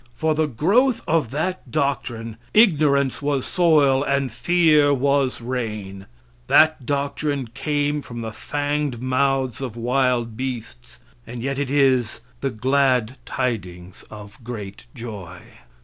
For the growth of that doctrine, ignorance was soil and fear was rain. That doctrine came from the fanged mouths of wild beasts, and yet it is the "glad tidings of great joy."